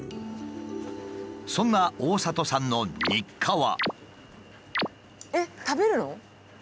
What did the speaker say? そんな大里さんの日課は。